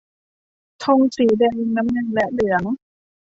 ธงสีแดง น้ำเงิน และเหลือง